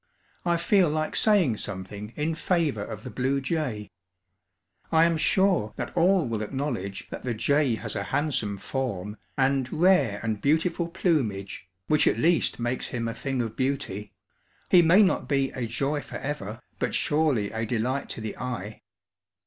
I feel like saying something in favor of the blue jay. I am sure that all will acknowledge that the jay has a handsome form and rare and beautiful plumage, which at least makes him "a thing of beauty;" he may not be "a joy forever," but surely a delight to the eye.